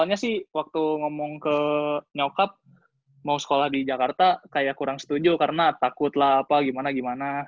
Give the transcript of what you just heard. soalnya sih waktu ngomong ke nyokap mau sekolah di jakarta kayak kurang setuju karena takutlah apa gimana gimana